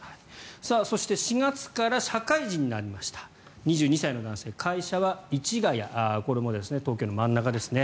そして４月から社会人になりました２２歳の男性会社は市ケ谷これも東京の真ん中ですね。